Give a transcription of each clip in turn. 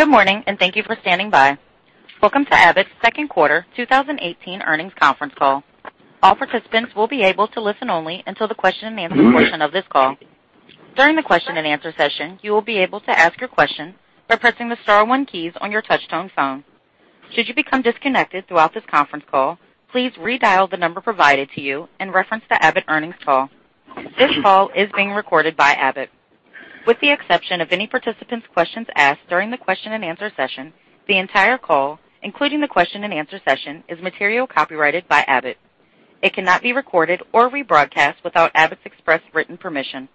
Good morning, and thank you for standing by. Welcome to Abbott's second quarter 2018 earnings conference call. All participants will be able to listen only until the question and answer portion of this call. During the question and answer session, you will be able to ask your question by pressing the star one keys on your touch-tone phone. Should you become disconnected throughout this conference call, please redial the number provided to you and reference the Abbott earnings call. This call is being recorded by Abbott. With the exception of any participant's questions asked during the question and answer session, the entire call, including the question and answer session, is material copyrighted by Abbott. It cannot be recorded or rebroadcast without Abbott's express written permission.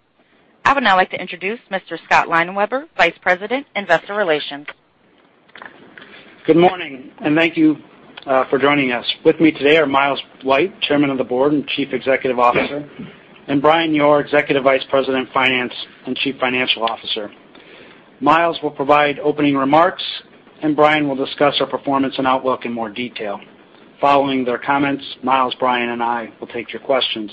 I would now like to introduce Mr. Scott Leinenweber, Vice President, Investor Relations. Good morning, and thank you for joining us. With me today are Miles White, Chairman of the Board and Chief Executive Officer, and Brian Yoor, Executive Vice President, Finance, and Chief Financial Officer. Miles will provide opening remarks, and Brian will discuss our performance and outlook in more detail. Following their comments, Miles, Brian, and I will take your questions.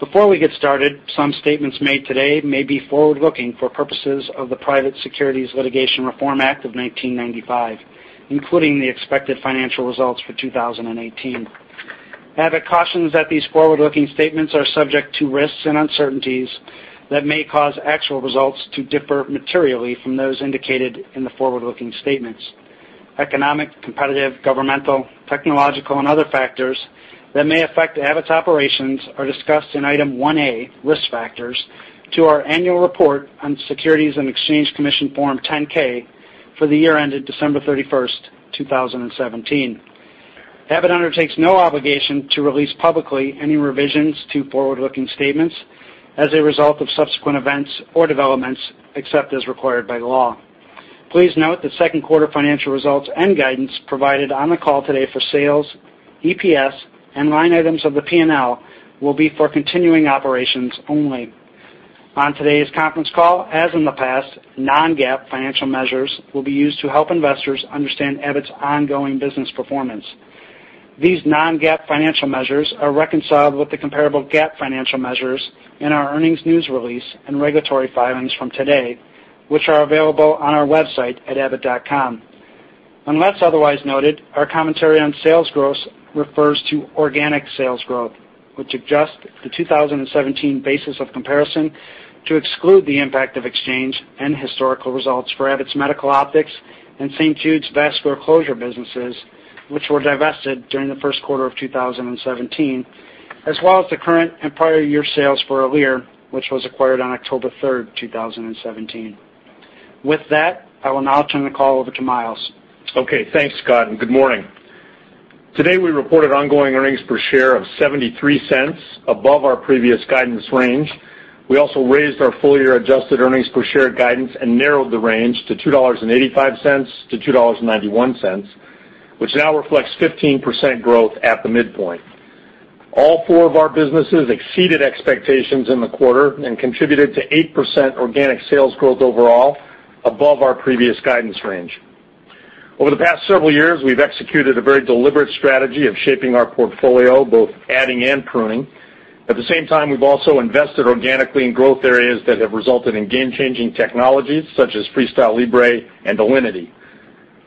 Before we get started, some statements made today may be forward-looking for purposes of the Private Securities Litigation Reform Act of 1995, including the expected financial results for 2018. Abbott cautions that these forward-looking statements are subject to risks and uncertainties that may cause actual results to differ materially from those indicated in the forward-looking statements. Economic, competitive, governmental, technological, and other factors that may affect Abbott's operations are discussed in Item 1A, Risk Factors, to our annual report on Securities and Exchange Commission Form 10-K for the year ended December 31st, 2017. Abbott undertakes no obligation to release publicly any revisions to forward-looking statements as a result of subsequent events or developments, except as required by law. Please note that second quarter financial results and guidance provided on the call today for sales, EPS, and line items of the P&L will be for continuing operations only. On today's conference call, as in the past, non-GAAP financial measures will be used to help investors understand Abbott's ongoing business performance. These non-GAAP financial measures are reconciled with the comparable GAAP financial measures in our earnings news release and regulatory filings from today, which are available on our website at abbott.com. Unless otherwise noted, our commentary on sales growth refers to organic sales growth, which adjusts the 2017 basis of comparison to exclude the impact of exchange and historical results for Abbott's Medical Optics and St. Jude's Vascular Closure businesses, which were divested during the first quarter of 2017, as well as the current and prior year sales for Alere, which was acquired on October 3rd, 2017. With that, I will now turn the call over to Miles. Okay, thanks, Scott. Good morning. Today we reported ongoing earnings per share of $0.73 above our previous guidance range. We also raised our full-year adjusted earnings per share guidance and narrowed the range to $2.85-$2.91, which now reflects 15% growth at the midpoint. All four of our businesses exceeded expectations in the quarter and contributed to 8% organic sales growth overall above our previous guidance range. Over the past several years, we've executed a very deliberate strategy of shaping our portfolio, both adding and pruning. At the same time, we've also invested organically in growth areas that have resulted in game-changing technologies such as FreeStyle Libre and Alinity.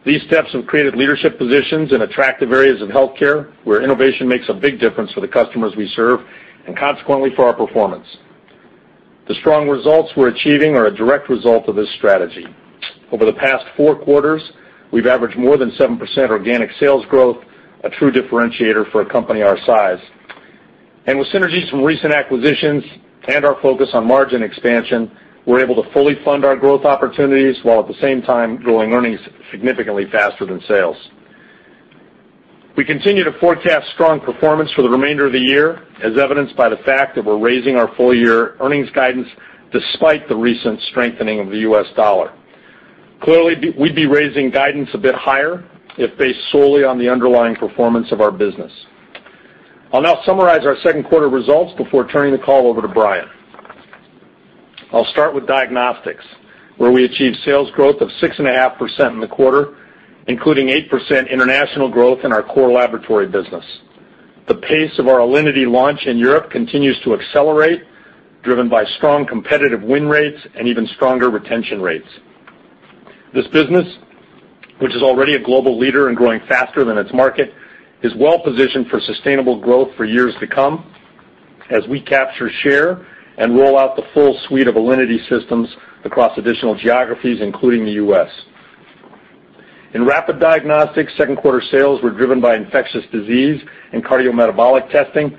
These steps have created leadership positions in attractive areas of healthcare where innovation makes a big difference for the customers we serve, and consequently, for our performance. The strong results we're achieving are a direct result of this strategy. Over the past four quarters, we've averaged more than 7% organic sales growth, a true differentiator for a company our size. With synergies from recent acquisitions and our focus on margin expansion, we're able to fully fund our growth opportunities, while at the same time growing earnings significantly faster than sales. We continue to forecast strong performance for the remainder of the year, as evidenced by the fact that we're raising our full-year earnings guidance despite the recent strengthening of the U.S. dollar. Clearly, we'd be raising guidance a bit higher if based solely on the underlying performance of our business. I'll now summarize our second quarter results before turning the call over to Brian. I'll start with diagnostics, where we achieved sales growth of 6.5% in the quarter, including 8% international growth in our core laboratory business. The pace of our Alinity launch in Europe continues to accelerate, driven by strong competitive win rates and even stronger retention rates. This business, which is already a global leader and growing faster than its market, is well positioned for sustainable growth for years to come as we capture share and roll out the full suite of Alinity systems across additional geographies, including the U.S. In Rapid Diagnostics, second quarter sales were driven by infectious disease and cardiometabolic testing.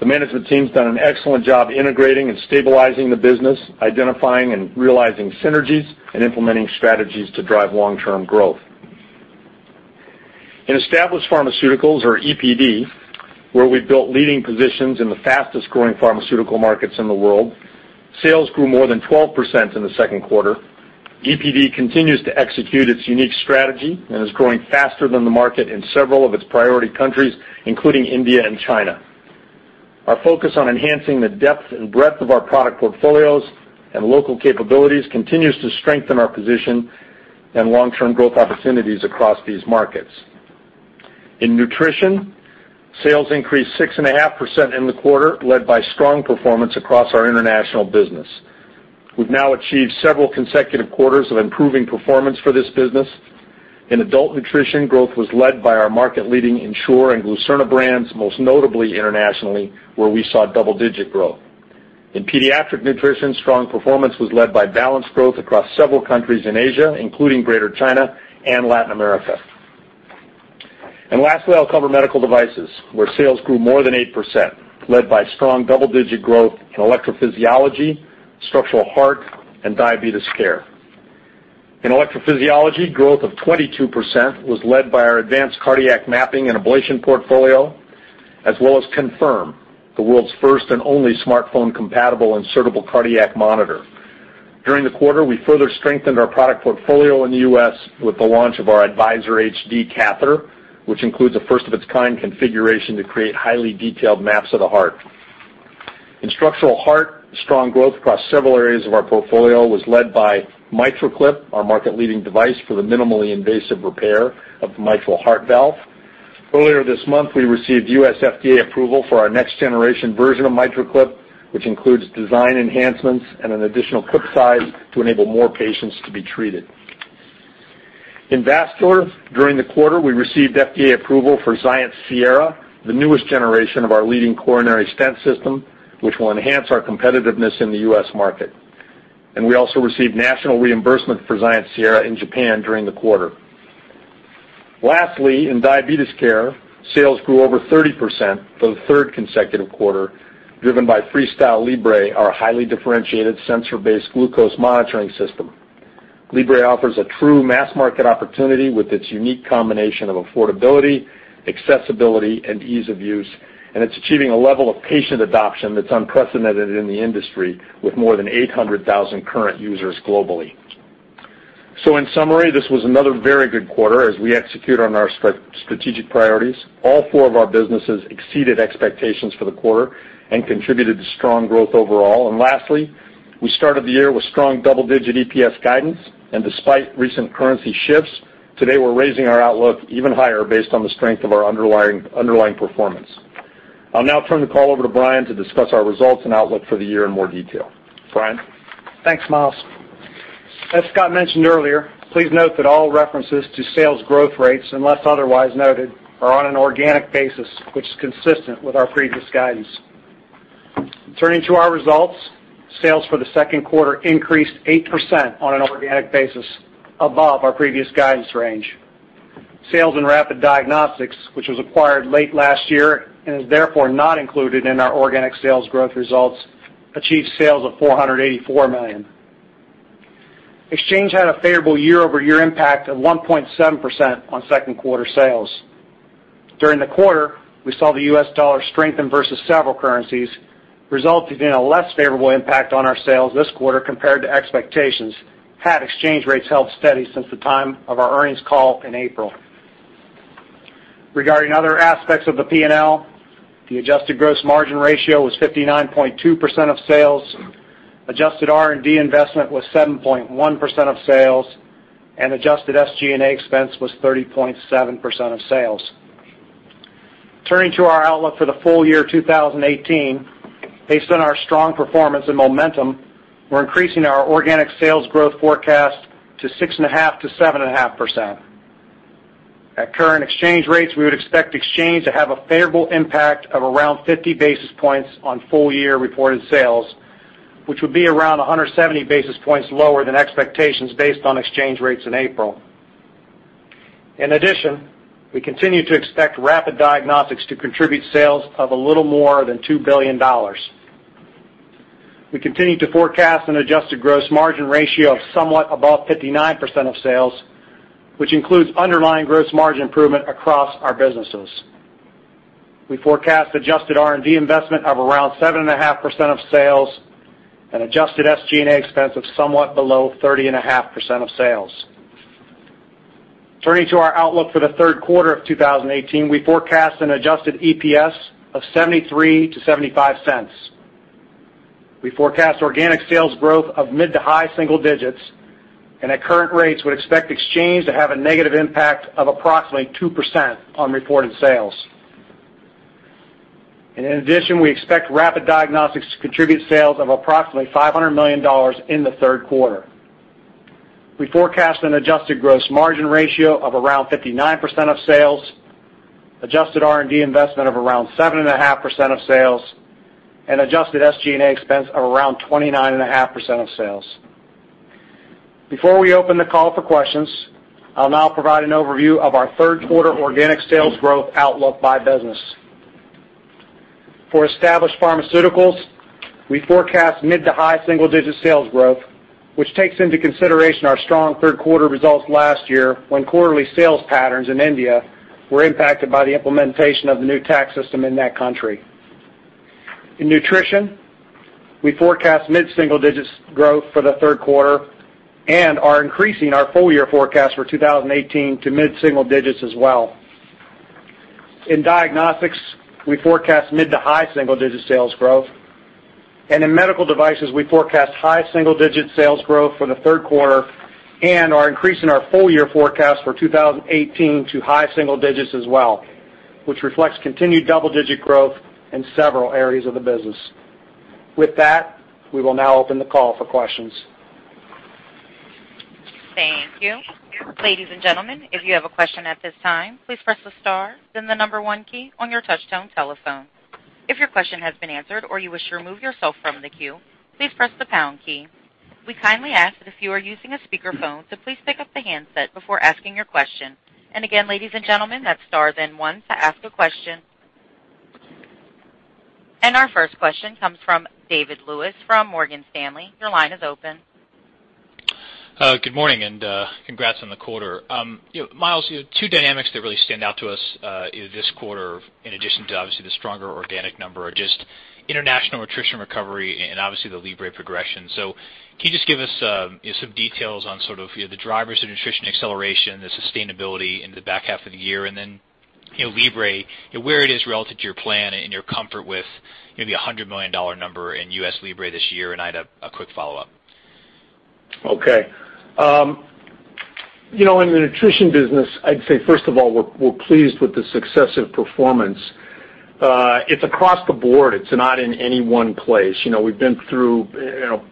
The management team's done an excellent job integrating and stabilizing the business, identifying and realizing synergies, and implementing strategies to drive long-term growth. In Established Pharmaceuticals, or EPD, where we've built leading positions in the fastest-growing pharmaceutical markets in the world, sales grew more than 12% in the second quarter. EPD continues to execute its unique strategy and is growing faster than the market in several of its priority countries, including India and China. Our focus on enhancing the depth and breadth of our product portfolios and local capabilities continues to strengthen our position and long-term growth opportunities across these markets. In nutrition, sales increased 6.5% in the quarter, led by strong performance across our international business. We've now achieved several consecutive quarters of improving performance for this business. In adult nutrition, growth was led by our market-leading Ensure and Glucerna brands, most notably internationally, where we saw double-digit growth. In pediatric nutrition, strong performance was led by balanced growth across several countries in Asia, including Greater China and Latin America. Lastly, I'll cover medical devices, where sales grew more than 8%, led by strong double-digit growth in electrophysiology, structural heart, and diabetes care. In electrophysiology, growth of 22% was led by our advanced cardiac mapping and ablation portfolio, as well as Confirm, the world's first and only smartphone-compatible insertable cardiac monitor. During the quarter, we further strengthened our product portfolio in the U.S. with the launch of our Advisor HD catheter, which includes a first-of-its-kind configuration to create highly detailed maps of the heart. In structural heart, strong growth across several areas of our portfolio was led by MitraClip, our market-leading device for the minimally invasive repair of the mitral heart valve. Earlier this month, we received U.S. FDA approval for our next-generation version of MitraClip, which includes design enhancements and an additional clip size to enable more patients to be treated. In vascular, during the quarter, we received FDA approval for XIENCE Sierra, the newest generation of our leading coronary stent system, which will enhance our competitiveness in the U.S. market. We also received national reimbursement for XIENCE Sierra in Japan during the quarter. Lastly, in diabetes care, sales grew over 30% for the third consecutive quarter, driven by FreeStyle Libre, our highly differentiated sensor-based glucose monitoring system. Libre offers a true mass-market opportunity with its unique combination of affordability, accessibility, and ease of use, and it's achieving a level of patient adoption that's unprecedented in the industry, with more than 800,000 current users globally. In summary, this was another very good quarter as we execute on our strategic priorities. All four of our businesses exceeded expectations for the quarter and contributed to strong growth overall. Lastly, we started the year with strong double-digit EPS guidance, despite recent currency shifts, today we're raising our outlook even higher based on the strength of our underlying performance. I'll now turn the call over to Brian to discuss our results and outlook for the year in more detail. Brian? Thanks, Miles. As Scott mentioned earlier, please note that all references to sales growth rates, unless otherwise noted, are on an organic basis, which is consistent with our previous guidance. Turning to our results, sales for the second quarter increased 8% on an organic basis above our previous guidance range. Sales in Rapid Diagnostics, which was acquired late last year and is therefore not included in our organic sales growth results, achieved sales of $484 million. Exchange had a favorable year-over-year impact of 1.7% on second quarter sales. During the quarter, we saw the U.S. dollar strengthen versus several currencies, resulting in a less favorable impact on our sales this quarter compared to expectations had exchange rates held steady since the time of our earnings call in April. Regarding other aspects of the P&L, the adjusted gross margin ratio was 59.2% of sales, adjusted R&D investment was 7.1% of sales, and adjusted SG&A expense was 30.7% of sales. Turning to our outlook for the full year 2018, based on our strong performance and momentum, we're increasing our organic sales growth forecast to 6.5%-7.5%. At current exchange rates, we would expect exchange to have a favorable impact of around 50 basis points on full-year reported sales, which would be around 170 basis points lower than expectations based on exchange rates in April. In addition, we continue to expect Rapid Diagnostics to contribute sales of a little more than $2 billion. We continue to forecast an adjusted gross margin ratio of somewhat above 59% of sales, which includes underlying gross margin improvement across our businesses. We forecast adjusted R&D investment of around 7.5% of sales and adjusted SG&A expense of somewhat below 30.5% of sales. Turning to our outlook for the third quarter of 2018, we forecast an adjusted EPS of $0.73-$0.75. We forecast organic sales growth of mid to high single digits, and at current rates, would expect exchange to have a negative impact of approximately 2% on reported sales. In addition, we expect Rapid Diagnostics to contribute sales of approximately $500 million in the third quarter. We forecast an adjusted gross margin ratio of around 59% of sales, adjusted R&D investment of around 7.5% of sales, and adjusted SG&A expense of around 29.5% of sales. Before we open the call for questions, I'll now provide an overview of our third quarter organic sales growth outlook by business. For Established Pharmaceuticals, we forecast mid to high single-digit sales growth, which takes into consideration our strong third quarter results last year, when quarterly sales patterns in India were impacted by the implementation of the new tax system in that country. In Nutrition, we forecast mid-single digits growth for the third quarter and are increasing our full year forecast for 2018 to mid-single digits as well. In Diagnostics, we forecast mid to high single-digit sales growth. In medical devices, we forecast high single-digit sales growth for the third quarter and are increasing our full year forecast for 2018 to high single digits as well, which reflects continued double-digit growth in several areas of the business. With that, we will now open the call for questions. Thank you. Ladies and gentlemen, if you have a question at this time, please press the star, then the number one key on your touchtone telephone. If your question has been answered or you wish to remove yourself from the queue, please press the pound key. We kindly ask that if you are using a speakerphone, to please pick up the handset before asking your question. Again, ladies and gentlemen, that's star then one to ask a question. Our first question comes from David Lewis from Morgan Stanley. Your line is open. Good morning, congrats on the quarter. Miles, two dynamics that really stand out to us this quarter, in addition to obviously the stronger organic number, are just international nutrition recovery and obviously the Libre progression. Can you just give us some details on the drivers of nutrition acceleration, the sustainability in the back half of the year, then Libre, where it is relative to your plan and your comfort with the $100 million number in U.S. Libre this year? I had a quick follow-up. Okay. In the nutrition business, I'd say, first of all, we're pleased with the successive performance. It's across the board. It's not in any one place. We've been through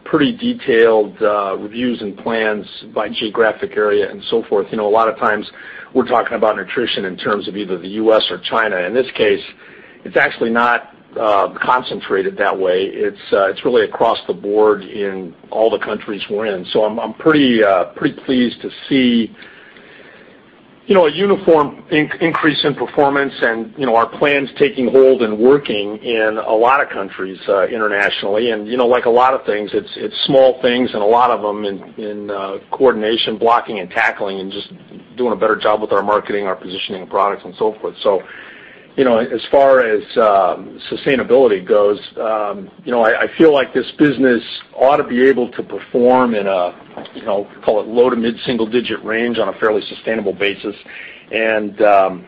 pretty detailed reviews and plans by geographic area and so forth. A lot of times we're talking about nutrition in terms of either the U.S. or China. In this case, it's actually not concentrated that way. It's really across the board in all the countries we're in. I'm pretty pleased to see a uniform increase in performance and our plans taking hold and working in a lot of countries internationally. Like a lot of things, it's small things and a lot of them in coordination, blocking and tackling, and just doing a better job with our marketing, our positioning of products and so forth. As far as sustainability goes, I feel like this business ought to be able to perform in a, call it low to mid-single digit range on a fairly sustainable basis. If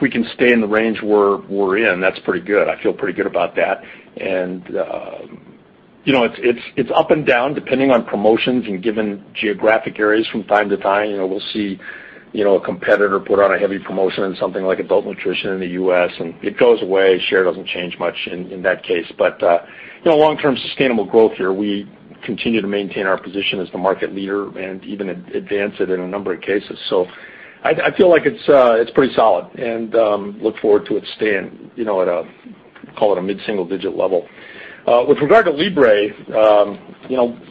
we can stay in the range we're in, that's pretty good. I feel pretty good about that. It's up and down, depending on promotions and given geographic areas from time to time. We'll see a competitor put on a heavy promotion on something like adult nutrition in the U.S., it goes away. Share doesn't change much in that case. Long-term sustainable growth here, we continue to maintain our position as the market leader and even advance it in a number of cases. I feel like it's pretty solid, and look forward to it staying at a, call it a mid-single digit level. With regard to Libre,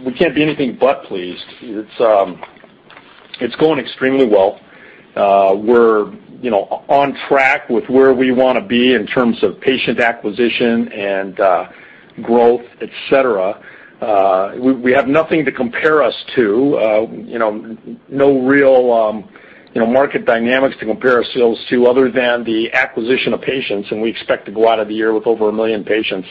we can't be anything but pleased. It's going extremely well. We're on track with where we want to be in terms of patient acquisition and growth, et cetera. We have nothing to compare us to. No real market dynamics to compare ourselves to, other than the acquisition of patients. We expect to go out of the year with over 1 million patients,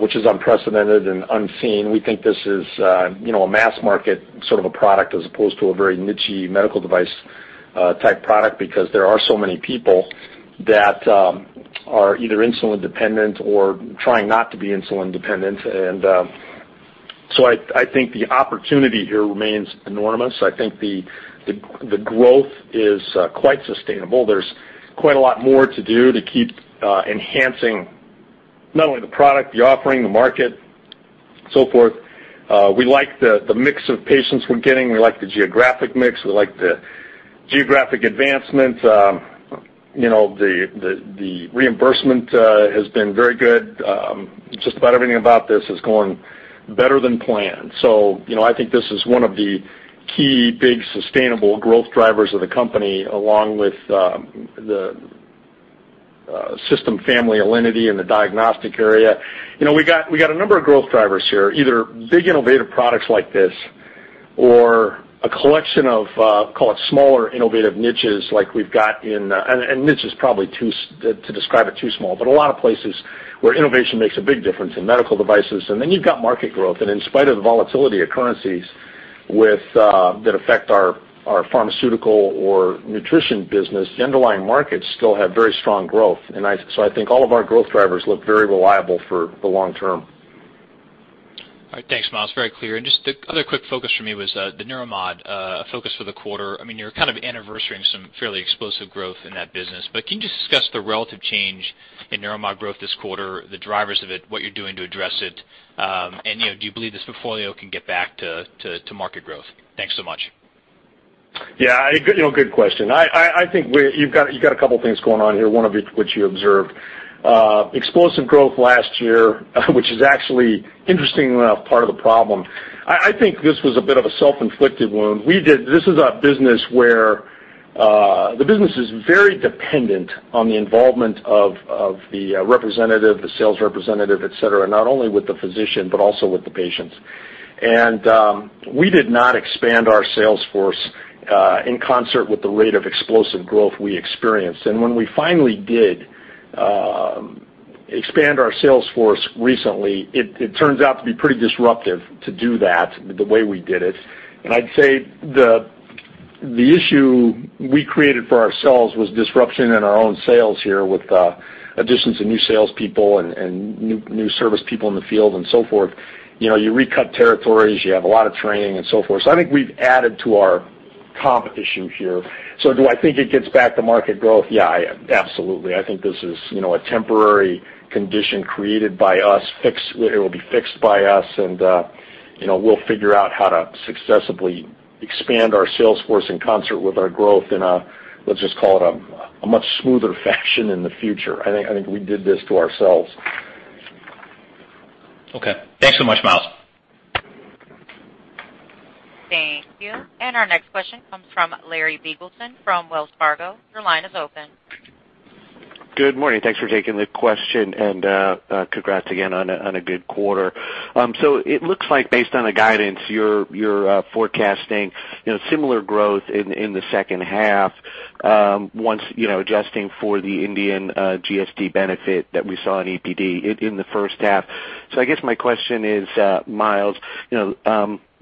which is unprecedented and unseen. We think this is a mass market sort of a product as opposed to a very niche-y medical device type product because there are so many people that are either insulin dependent or trying not to be insulin dependent. I think the opportunity here remains enormous. I think the growth is quite sustainable. There's quite a lot more to do to keep enhancing not only the product, the offering, the market, so forth. We like the mix of patients we're getting. We like the geographic mix. We like the geographic advancement. The reimbursement has been very good. Just about everything about this is going better than planned. I think this is one of the key big sustainable growth drivers of the company, along with the system family Alinity in the diagnostic area. We got a number of growth drivers here, either big innovative products like this or a collection of, call it smaller innovative niches like we've got in. Niche is probably, to describe it, too small, but a lot of places where innovation makes a big difference in medical devices. You've got market growth, and in spite of the volatility of currencies that affect our pharmaceutical or nutrition business, the underlying markets still have very strong growth. I think all of our growth drivers look very reliable for the long term. All right. Thanks, Miles. Very clear. Just the other quick focus for me was the Neuromodulation focus for the quarter. You're kind of anniversarying some fairly explosive growth in that business. Can you just discuss the relative change in Neuromodulation growth this quarter, the drivers of it, what you're doing to address it? Do you believe this portfolio can get back to market growth? Thanks so much. Yeah. Good question. I think you've got a couple of things going on here, one of which you observed. Explosive growth last year, which is actually interestingly enough, part of the problem. I think this was a bit of a self-inflicted wound. This is a business where the business is very dependent on the involvement of the representative, the sales representative, et cetera, not only with the physician, but also with the patients. We did not expand our sales force in concert with the rate of explosive growth we experienced. When we finally did expand our sales force recently, it turns out to be pretty disruptive to do that the way we did it. I'd say the issue we created for ourselves was disruption in our own sales here with additions of new salespeople and new service people in the field and so forth. You recut territories, you have a lot of training, and so forth. I think we've added to our comp issue here. Do I think it gets back to market growth? Yeah, absolutely. I think this is a temporary condition created by us. It will be fixed by us, and we'll figure out how to successfully expand our sales force in concert with our growth in a, let's just call it a much smoother fashion in the future. I think we did this to ourselves. Okay. Thanks so much, Miles. Thank you. Our next question comes from Larry Biegelsen from Wells Fargo. Your line is open. Good morning. Thanks for taking the question, and congrats again on a good quarter. It looks like based on the guidance, you're forecasting similar growth in the second half, once adjusting for the Indian GST benefit that we saw in EPD in the first half. I guess my question is, Miles,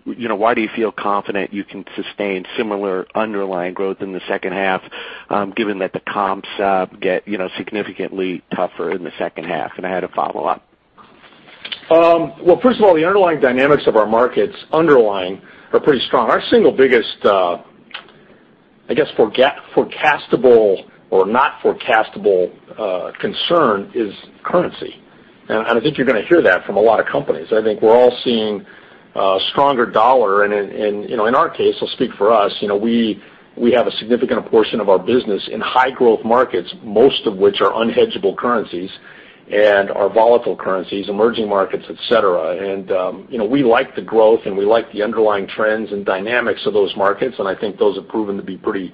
why do you feel confident you can sustain similar underlying growth in the second half, given that the comps get significantly tougher in the second half? I had a follow-up. First of all, the underlying dynamics of our markets, underlying, are pretty strong. Our single biggest, I guess, forecastable or not forecastable concern is currency. I think you're going to hear that from a lot of companies. I think we're all seeing a stronger dollar, and in our case, I'll speak for us, we have a significant portion of our business in high growth markets, most of which are unhedgeable currencies and are volatile currencies, emerging markets, et cetera. We like the growth, and we like the underlying trends and dynamics of those markets, and I think those have proven to be pretty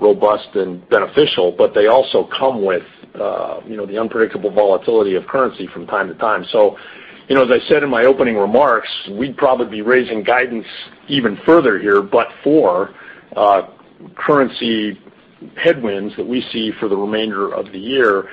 robust and beneficial, but they also come with the unpredictable volatility of currency from time to time. As I said in my opening remarks, we'd probably be raising guidance even further here, but for currency headwinds that we see for the remainder of the year.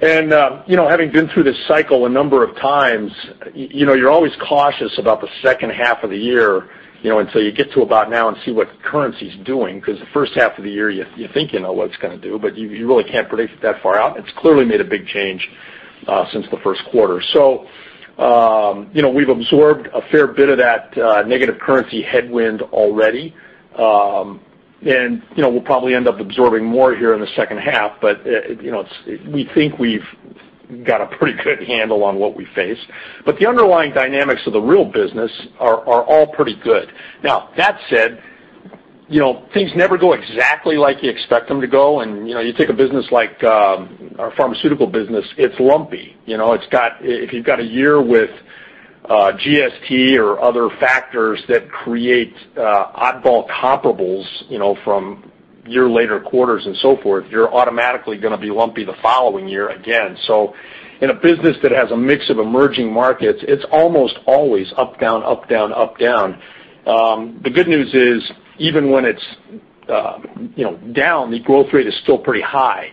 Having been through this cycle a number of times, you're always cautious about the second half of the year, until you get to about now and see what currency's doing, because the first half of the year, you think you know what it's going to do, but you really can't predict it that far out. It's clearly made a big change since the first quarter. We've absorbed a fair bit of that negative currency headwind already. We'll probably end up absorbing more here in the second half, but we think we've got a pretty good handle on what we face. The underlying dynamics of the real business are all pretty good. That said, things never go exactly like you expect them to go, you take a business like our pharmaceutical business, it's lumpy. If you've got a year with GST or other factors that create oddball comparables from year later quarters and so forth, you're automatically going to be lumpy the following year again. In a business that has a mix of emerging markets, it's almost always up, down, up, down, up, down. The good news is, even when it's down, the growth rate is still pretty high.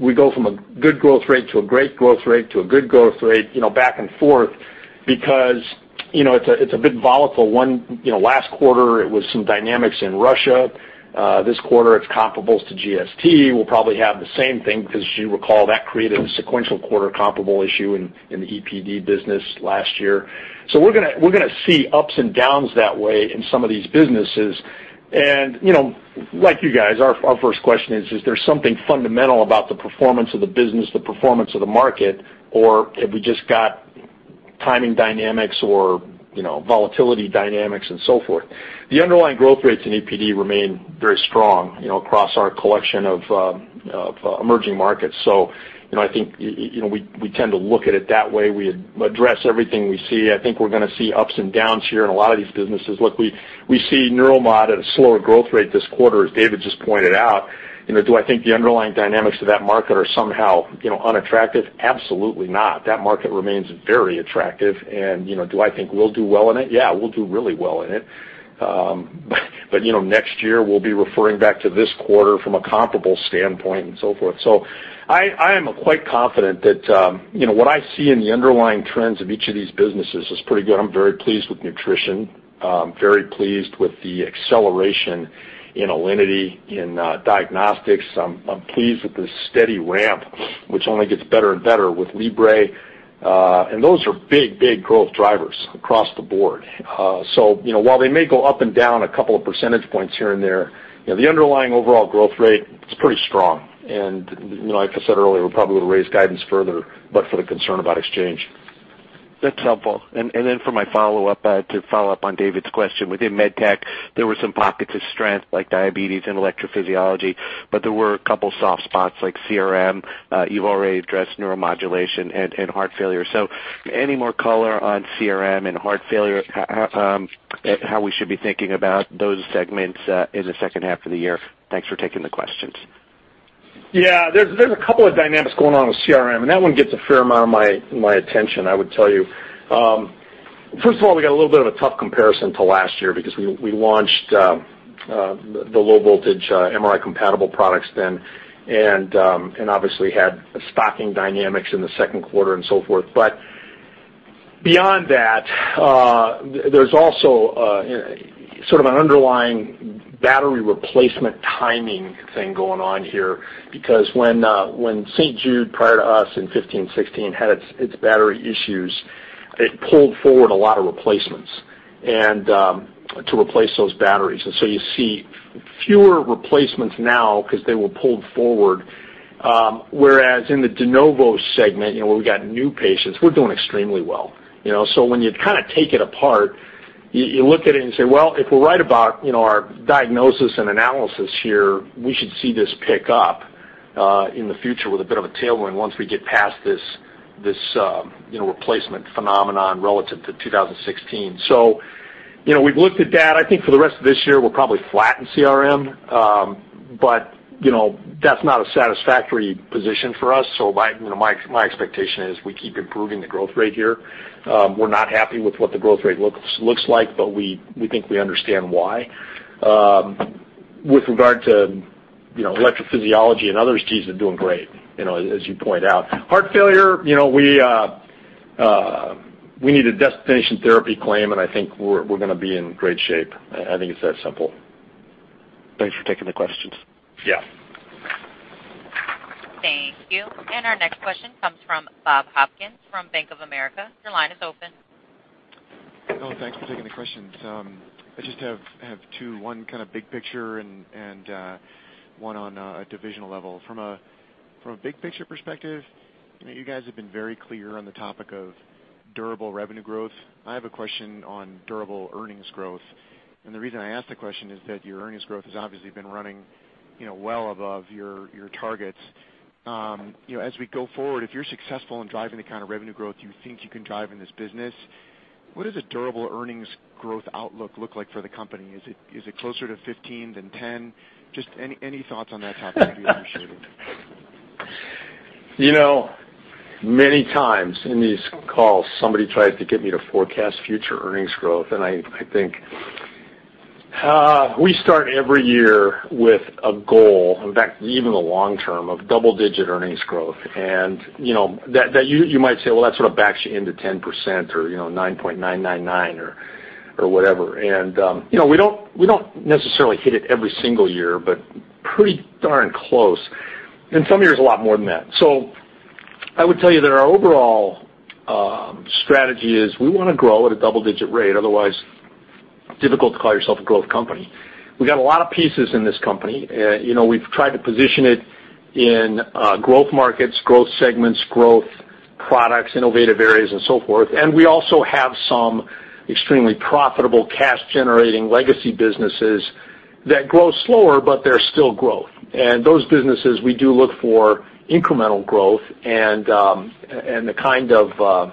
We go from a good growth rate to a great growth rate to a good growth rate, back and forth, because it's a bit volatile. Last quarter, it was some dynamics in Russia. This quarter, it's comparables to GST. We'll probably have the same thing because as you recall, that created a sequential quarter comparable issue in the EPD business last year. We're going to see ups and downs that way in some of these businesses. Like you guys, our first question is there something fundamental about the performance of the business, the performance of the market, or have we just got timing dynamics or volatility dynamics and so forth? The underlying growth rates in EPD remain very strong across our collection of emerging markets. I think we tend to look at it that way. We address everything we see. I think we're going to see ups and downs here in a lot of these businesses. Look, we see neuromod at a slower growth rate this quarter, as David just pointed out. Do I think the underlying dynamics of that market are somehow unattractive? Absolutely not. That market remains very attractive. Do I think we'll do well in it? Yeah, we'll do really well in it. Next year, we'll be referring back to this quarter from a comparable standpoint and so forth. I am quite confident that what I see in the underlying trends of each of these businesses is pretty good. I'm very pleased with nutrition. I'm very pleased with the acceleration in Alinity, in diagnostics. I'm pleased with the steady ramp, which only gets better and better with Libre. Those are big growth drivers across the board. While they may go up and down a couple of percentage points here and there, the underlying overall growth rate is pretty strong. Like I said earlier, we probably would have raised guidance further, but for the concern about exchange. That's helpful. Then for my follow-up, to follow up on David's question. Within MedTech, there were some pockets of strength like diabetes and electrophysiology, but there were a couple soft spots like CRM. You've already addressed Neuromodulation and heart failure. Any more color on CRM and heart failure, how we should be thinking about those segments in the second half of the year? Thanks for taking the questions. Yeah. There's a couple of dynamics going on with CRM, that one gets a fair amount of my attention, I would tell you. First of all, we got a little bit of a tough comparison to last year because we launched the low voltage MRI compatible products then, obviously had stocking dynamics in the second quarter and so forth. Beyond that, there's also sort of an underlying battery replacement timing thing going on here, because when St. Jude, prior to us in 2015, 2016, had its battery issues, it pulled forward a lot of replacements to replace those batteries. You see fewer replacements now because they were pulled forward, whereas in the de novo segment, where we've got new patients, we're doing extremely well. When you kind of take it apart, you look at it and say, well, if we're right about our diagnosis and analysis here, we should see this pick up in the future with a bit of a tailwind once we get past this replacement phenomenon relative to 2016. We've looked at that. I think for the rest of this year, we'll probably flatten CRM. That's not a satisfactory position for us, my expectation is we keep improving the growth rate here. We're not happy with what the growth rate looks like, but we think we understand why. With regard to electrophysiology and other STs are doing great, as you point out. Heart failure, we need a destination therapy claim, I think we're going to be in great shape. I think it's that simple. Thanks for taking the questions. Yeah. Thank you. Our next question comes from Bob Hopkins from Bank of America. Your line is open. Thanks for taking the questions. I just have two, one kind of big picture and one on a divisional level. From a big-picture perspective, you guys have been very clear on the topic of durable revenue growth. I have a question on durable earnings growth. The reason I ask the question is that your earnings growth has obviously been running well above your targets. As we go forward, if you're successful in driving the kind of revenue growth you think you can drive in this business, what does a durable earnings growth outlook look like for the company? Is it closer to 15 than 10? Just any thoughts on that topic would be appreciated. Many times in these calls, somebody tries to get me to forecast future earnings growth. I think we start every year with a goal, in fact, even the long term, of double-digit earnings growth, and that you might say, "Well, that sort of backs you into 10% or 9.999," or whatever. We don't necessarily hit it every single year, but pretty darn close, and some years a lot more than that. I would tell you that our overall strategy is we want to grow at a double-digit rate, otherwise difficult to call yourself a growth company. We got a lot of pieces in this company. We've tried to position it in growth markets, growth segments, growth products, innovative areas, and so forth. We also have some extremely profitable cash-generating legacy businesses that grow slower, but they're still growth. Those businesses, we do look for incremental growth and the kind of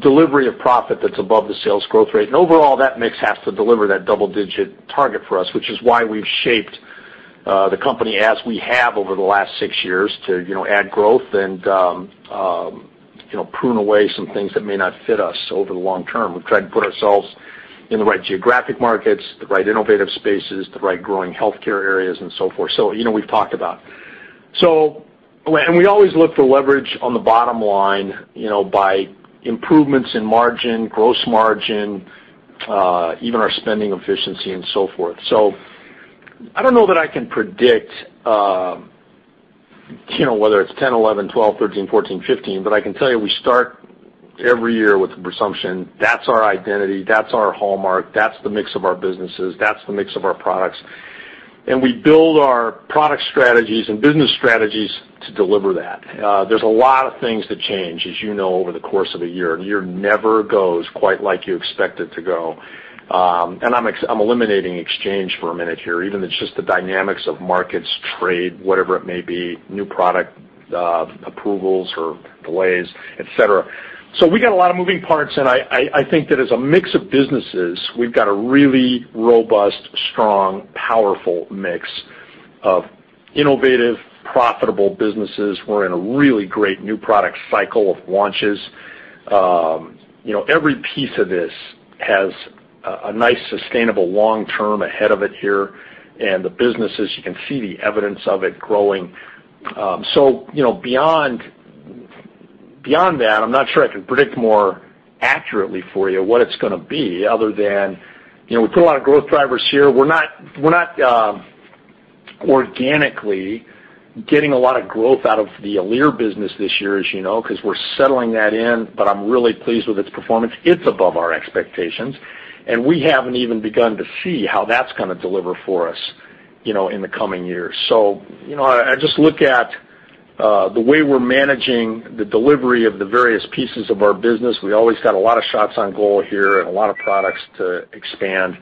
delivery of profit that's above the sales growth rate. Overall, that mix has to deliver that double-digit target for us, which is why we've shaped the company as we have over the last 6 years to add growth and prune away some things that may not fit us over the long term. We've tried to put ourselves in the right geographic markets, the right innovative spaces, the right growing healthcare areas, and so forth. We've talked about. We always look for leverage on the bottom line by improvements in margin, gross margin, even our spending efficiency and so forth. I don't know that I can predict whether it's 10, 11, 12, 13, 14, 15, but I can tell you we start every year with the presumption that's our identity, that's our hallmark, that's the mix of our businesses, that's the mix of our products. We build our product strategies and business strategies to deliver that. There's a lot of things that change, as you know, over the course of a year. A year never goes quite like you expect it to go. I'm eliminating exchange for a minute here, even it's just the dynamics of markets, trade, whatever it may be, new product approvals or delays, et cetera. We got a lot of moving parts, and I think that as a mix of businesses, we've got a really robust, strong, powerful mix of innovative, profitable businesses. We're in a really great new product cycle of launches. Every piece of this has a nice, sustainable long term ahead of it here. The businesses, you can see the evidence of it growing. Beyond that, I'm not sure I can predict more accurately for you what it's going to be other than we put a lot of growth drivers here. We're not organically getting a lot of growth out of the Alere business this year as you know, because we're settling that in, but I'm really pleased with its performance. It's above our expectations, and we haven't even begun to see how that's going to deliver for us in the coming years. I just look at the way we're managing the delivery of the various pieces of our business. We always got a lot of shots on goal here and a lot of products to expand.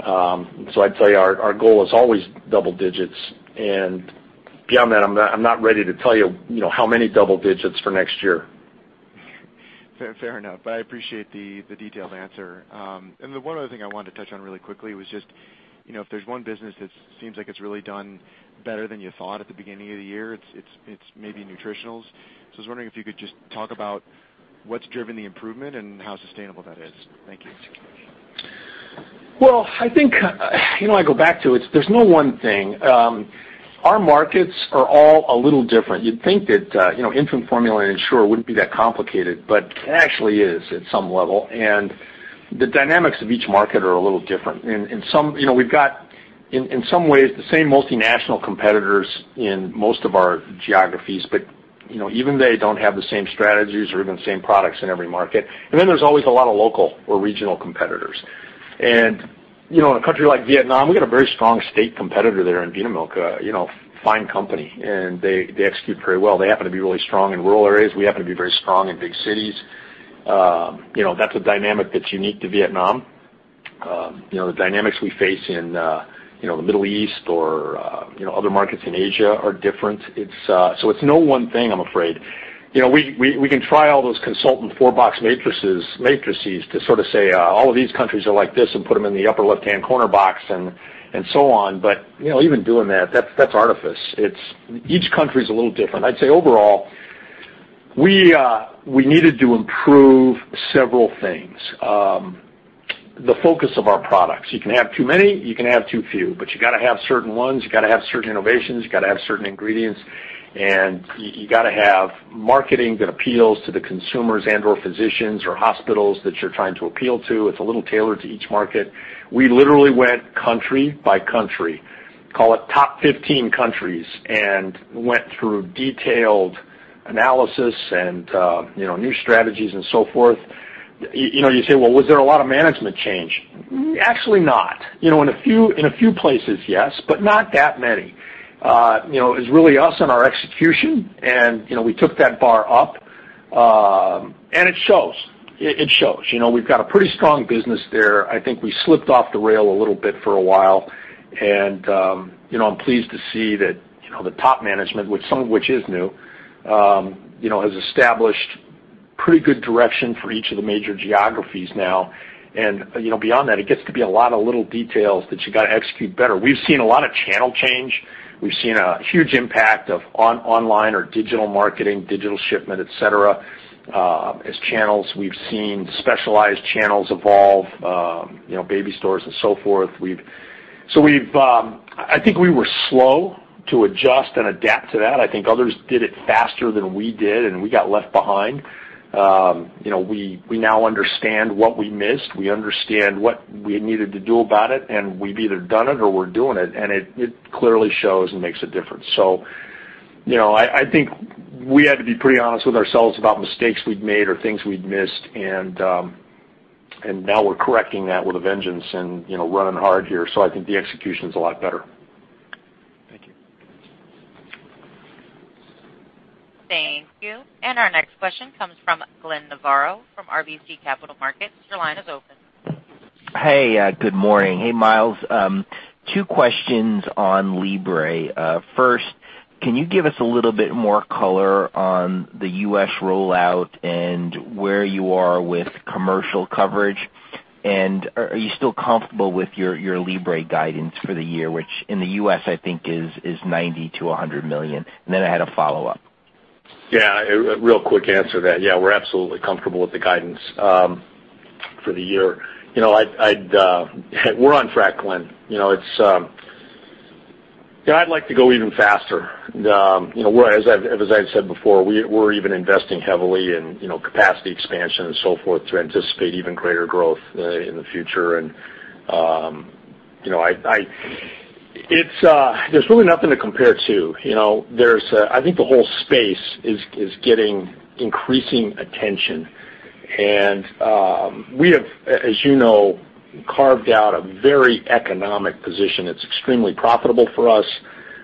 I'd tell you our goal is always double digits, and beyond that, I'm not ready to tell you how many double digits for next year. Fair enough. I appreciate the detailed answer. The one other thing I wanted to touch on really quickly was just if there's one business that seems like it's really done better than you thought at the beginning of the year, it's maybe Nutritionals. I was wondering if you could just talk about what's driven the improvement and how sustainable that is. Thank you. Well, I think, I go back to it, there's no one thing. Our markets are all a little different. You'd think that infant formula and Ensure wouldn't be that complicated, but it actually is at some level, and the dynamics of each market are a little different. We've got, in some ways, the same multinational competitors in most of our geographies, but even they don't have the same strategies or even the same products in every market. Then there's always a lot of local or regional competitors. In a country like Vietnam, we've got a very strong state competitor there in Vinamilk, a fine company, and they execute very well. They happen to be really strong in rural areas. We happen to be very strong in big cities. That's a dynamic that's unique to Vietnam. The dynamics we face in the Middle East or other markets in Asia are different. It's no one thing, I'm afraid. We can try all those consultant four box matrices to sort of say all of these countries are like this and put them in the upper left-hand corner box and so on. Even doing that's artifice. Each country's a little different. I'd say overall, we needed to improve several things. The focus of our products, you can have too many, you can have too few, but you got to have certain ones, you got to have certain innovations, you got to have certain ingredients, and you got to have marketing that appeals to the consumers and/or physicians or hospitals that you're trying to appeal to. It's a little tailored to each market. We literally went country by country, call it top 15 countries, went through detailed analysis and new strategies and so forth. You say, "Well, was there a lot of management change?" Actually, not. In a few places, yes, but not that many. It was really us and our execution, and we took that bar up. It shows. It shows. We've got a pretty strong business there. I think we slipped off the rail a little bit for a while, and I'm pleased to see that the top management, some of which is new, has established pretty good direction for each of the major geographies now. Beyond that, it gets to be a lot of little details that you got to execute better. We've seen a lot of channel change. We've seen a huge impact of online or digital marketing, digital shipment, et cetera. As channels, we've seen specialized channels evolve, baby stores and so forth. I think we were slow to adjust and adapt to that. I think others did it faster than we did, and we got left behind. We now understand what we missed. We understand what we needed to do about it, and we've either done it or we're doing it, and it clearly shows and makes a difference. I think we had to be pretty honest with ourselves about mistakes we'd made or things we'd missed, and now we're correcting that with a vengeance and running hard here. I think the execution's a lot better. Thank you. Thank you. Our next question comes from Glenn Novarro from RBC Capital Markets. Your line is open. Hey, good morning. Hey, Miles. Two questions on Libre. First, can you give us a little bit more color on the U.S. rollout and where you are with commercial coverage? Are you still comfortable with your Libre guidance for the year, which in the U.S. I think is $90 million-$100 million? I had a follow-up. Real quick answer to that. We're absolutely comfortable with the guidance for the year. We're on track, Glenn. I'd like to go even faster. As I've said before, we're even investing heavily in capacity expansion and so forth to anticipate even greater growth in the future. There's really nothing to compare to. I think the whole space is getting increasing attention. We have, as you know, carved out a very economic position. It's extremely profitable for us,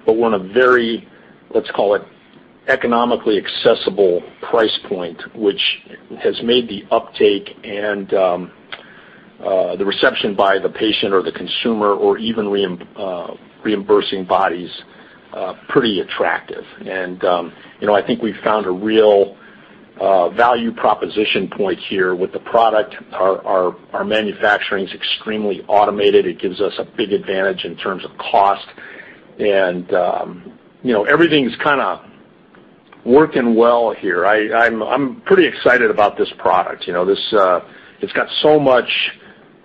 but we're in a very, let's call it economically accessible price point, which has made the uptake and the reception by the patient or the consumer, or even reimbursing bodies, pretty attractive. I think we've found a real value proposition point here with the product. Our manufacturing's extremely automated. It gives us a big advantage in terms of cost, and everything's kind of working well here. I'm pretty excited about this product. It's got so much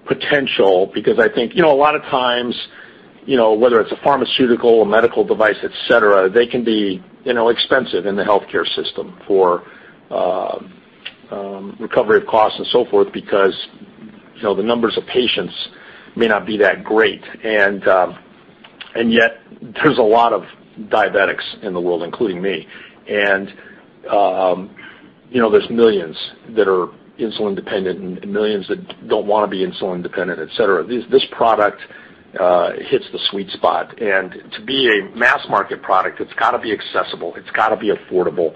potential because I think a lot of times, whether it's a pharmaceutical, a medical device, et cetera, they can be expensive in the healthcare system for recovery of costs and so forth because the numbers of patients may not be that great. Yet there's a lot of diabetics in the world, including me, and there's millions that are insulin-dependent and millions that don't want to be insulin-dependent, et cetera. This product hits the sweet spot, and to be a mass market product, it's got to be accessible. It's got to be affordable.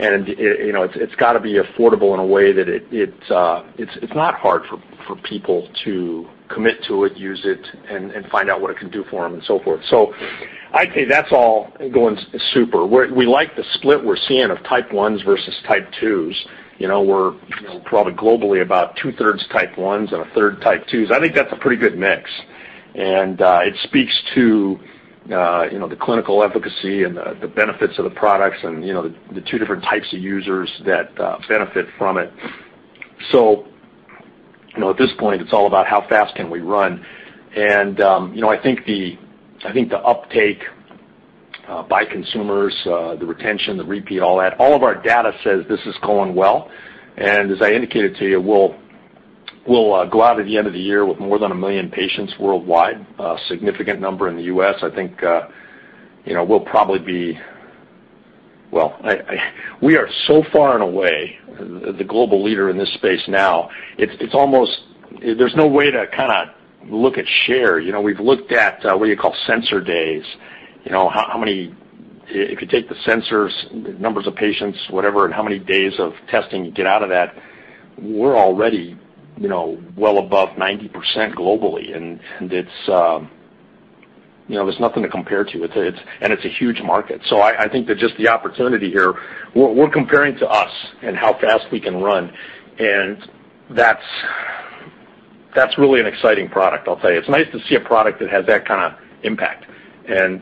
It's got to be affordable in a way that it's not hard for people to commit to it, use it, and find out what it can do for them, and so forth. I'd say that's all going super. We like the split we're seeing of Type 1s versus Type 2s. We're probably globally about two-thirds Type 1 and a third Type 2. I think that's a pretty good mix. It speaks to the clinical efficacy and the benefits of the products and the two different types of users that benefit from it. At this point, it's all about how fast can we run. I think the uptake by consumers, the retention, the repeat, all that, all of our data says this is going well. As I indicated to you, we'll go out at the end of the year with more than 1 million patients worldwide, a significant number in the U.S. We are so far and away the global leader in this space now. There's no way to look at share. We've looked at what you call sensor days. If you take the sensors, numbers of patients, whatever, and how many days of testing you get out of that, we're already well above 90% globally, and there's nothing to compare to. It's a huge market. I think that just the opportunity here, we're comparing to us and how fast we can run, and that's really an exciting product, I'll tell you. It's nice to see a product that has that kind of impact. This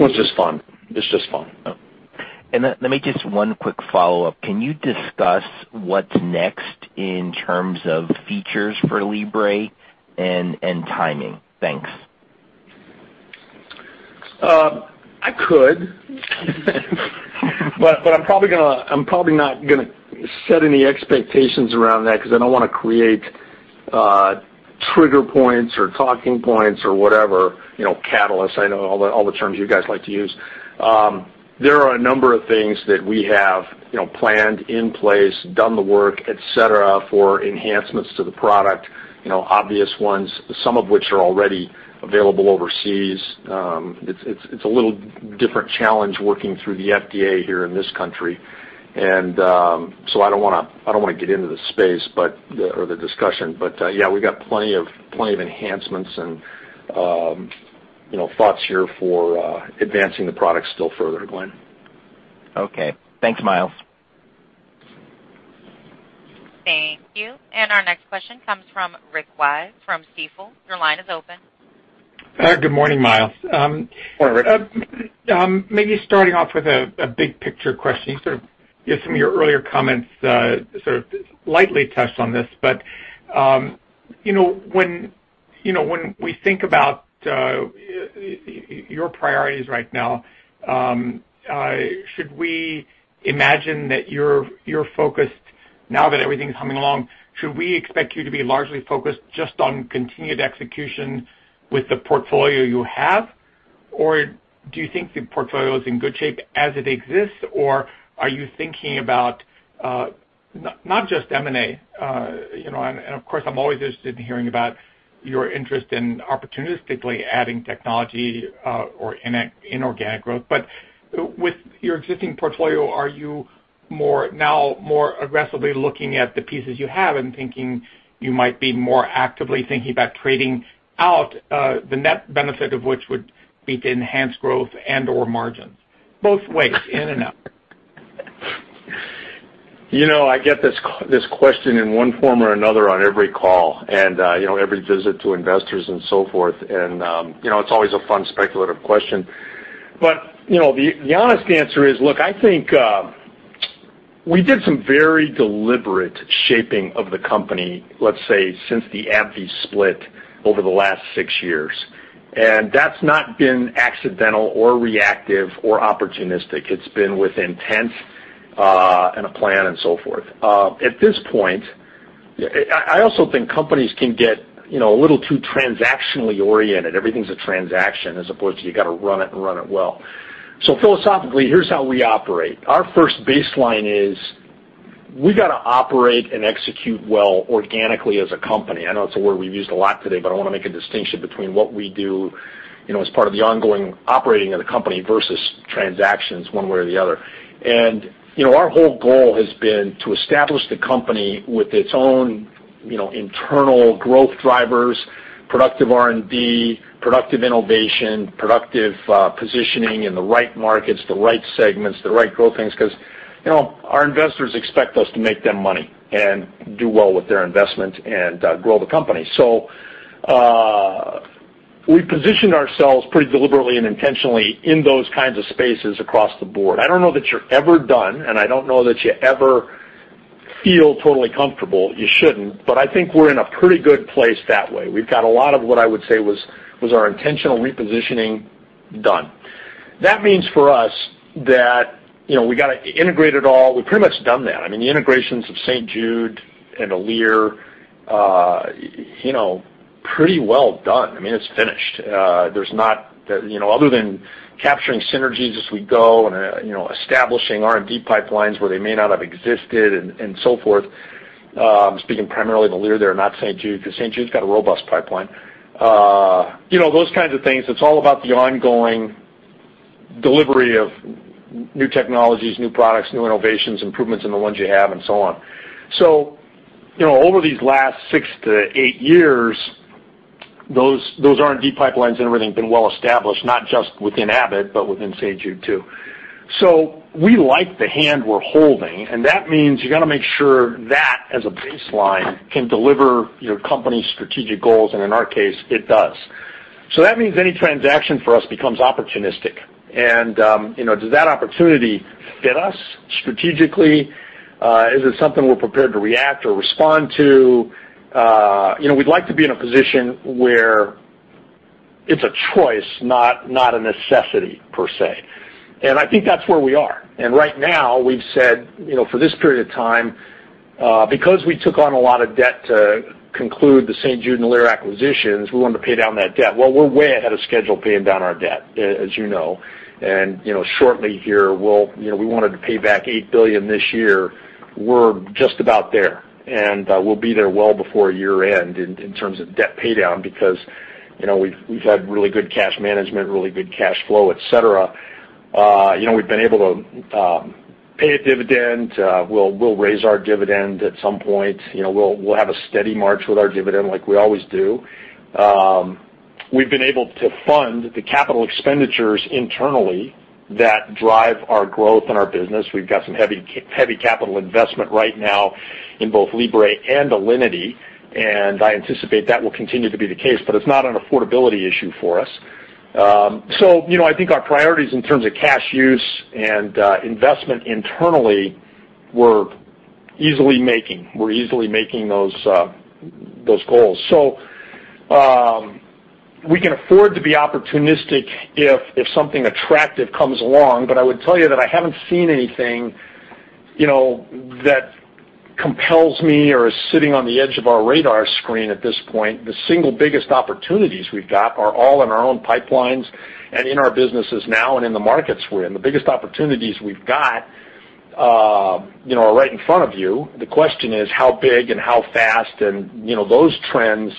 one's just fun. It's just fun. Let me just one quick follow-up. Can you discuss what's next in terms of features for Libre and timing? Thanks. I could. I'm probably not gonna set any expectations around that because I don't want to create trigger points or talking points or whatever, catalysts, I know all the terms you guys like to use. There are a number of things that we have planned in place, done the work, et cetera, for enhancements to the product, obvious ones, some of which are already available overseas. It's a little different challenge working through the FDA here in this country. So I don't want to get into the space, or the discussion, but yeah, we've got plenty of enhancements and thoughts here for advancing the product still further, Glenn. Okay. Thanks, Miles. Thank you. Our next question comes from Rick Wise from Stifel. Your line is open. Good morning, Miles. Morning, Rick. Starting off with a big picture question. Some of your earlier comments sort of lightly touched on this, when we think about your priorities right now, should we imagine that you're focused, now that everything's humming along, should we expect you to be largely focused just on continued execution with the portfolio you have, or do you think the portfolio is in good shape as it exists, or are you thinking about not just M&A, of course, I'm always interested in hearing about your interest in opportunistically adding technology or inorganic growth. With your existing portfolio, are you now more aggressively looking at the pieces you have and thinking you might be more actively thinking about trading out, the net benefit of which would be to enhance growth and/or margin? Both ways, in and out. I get this question in one form or another on every call and every visit to investors and so forth. It's always a fun speculative question. The honest answer is, look, I think we did some very deliberate shaping of the company, let's say, since the AbbVie split over the last six years. That's not been accidental or reactive or opportunistic. It's been with intent and a plan and so forth. At this point, I also think companies can get a little too transactionally oriented. Everything's a transaction as opposed to you got to run it and run it well. Philosophically, here's how we operate. Our first baseline is we got to operate and execute well organically as a company. I know it's a word we've used a lot today, but I want to make a distinction between what we do as part of the ongoing operating of the company versus transactions one way or the other. Our whole goal has been to establish the company with its own internal growth drivers, productive R&D, productive innovation, productive positioning in the right markets, the right segments, the right growth things, because our investors expect us to make them money and do well with their investment and grow the company. We positioned ourselves pretty deliberately and intentionally in those kinds of spaces across the board. I don't know that you're ever done, and I don't know that you ever feel totally comfortable. You shouldn't, but I think we're in a pretty good place that way. We've got a lot of what I would say was our intentional repositioning done. That means for us that we got to integrate it all. We've pretty much done that. I mean, the integrations of St. Jude and Alere, pretty well done. I mean, it's finished. Other than capturing synergies as we go and establishing R&D pipelines where they may not have existed and so forth, I'm speaking primarily to Alere there, not St. Jude, because St. Jude's got a robust pipeline. Those kinds of things. It's all about the ongoing delivery of new technologies, new products, new innovations, improvements in the ones you have, and so on. Over these last six to eight years, those R&D pipelines and everything have been well established, not just within Abbott, but within St. Jude, too. We like the hand we're holding, and that means you've got to make sure that as a baseline can deliver your company's strategic goals, and in our case, it does. That means any transaction for us becomes opportunistic. Does that opportunity fit us strategically? Is it something we're prepared to react or respond to? We'd like to be in a position where it's a choice, not a necessity, per se. I think that's where we are. Right now, we've said, for this period of time, because we took on a lot of debt to conclude the St. Jude and Alere acquisitions, we wanted to pay down that debt. Well, we're way ahead of schedule paying down our debt, as you know. Shortly here, we wanted to pay back $8 billion this year. We're just about there, and we'll be there well before year-end in terms of debt paydown, because we've had really good cash management, really good cash flow, et cetera. We've been able to pay a dividend. We'll raise our dividend at some point. We'll have a steady march with our dividend like we always do. We've been able to fund the capital expenditures internally that drive our growth and our business. We've got some heavy capital investment right now in both Libre and Alinity, and I anticipate that will continue to be the case, but it's not an affordability issue for us. I think our priorities in terms of cash use and investment internally, we're easily making those goals. We can afford to be opportunistic if something attractive comes along. I would tell you that I haven't seen anything that compels me or is sitting on the edge of our radar screen at this point. The single biggest opportunities we've got are all in our own pipelines and in our businesses now and in the markets we're in. The biggest opportunities we've got are right in front of you. The question is how big and how fast and those trends,